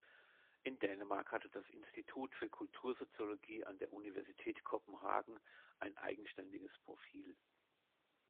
In Dänemark hatte das Institut für Kultursoziologie an der Universität Kopenhagen ein eigenständiges Profil.